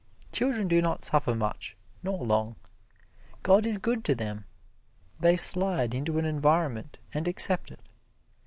Children do not suffer much, nor long. God is good to them. They slide into an environment and accept it.